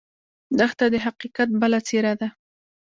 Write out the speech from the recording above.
دښته د حقیقت بله څېره ده.